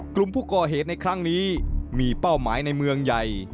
กลุ่มผู้ก่อเหตุในครั้งนี้มีเป้าหมายในเมืองใหญ่